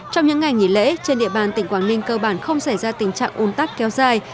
trong những ngày nghỉ lễ trên địa bàn tỉnh quảng ninh cơ bản không xảy ra tình trạng ôn tắc kéo dài